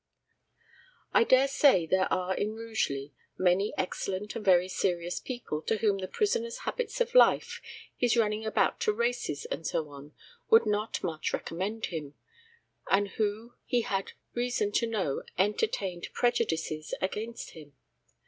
I dare say there are in Rugeley many excellent and very serious people to whom the prisoner's habits of life, his running about to races, and so on, would not much recommend him, and who he had reason to know entertained prejudices against him.